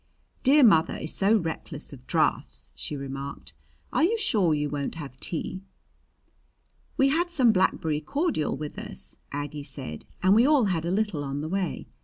"Dear mother is so reckless of drafts," she remarked. "Are you sure you won't have tea?" "We had some blackberry cordial with us," Aggie said, "and we all had a little on the way.